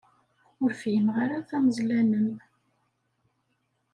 Ur fhimeɣ ara tameẓla-nnem.